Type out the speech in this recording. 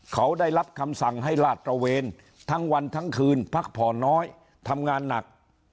เขาได้รับคำสั่งให้ลาดตระเวนทั้งวันทั้งคืนพักผ่อนน้อยทำงานหนัก